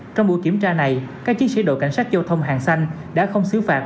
trong buổi kiểm tra này các chiến sĩ đội cảnh sát giao thông hàng xanh đã không xứ phạt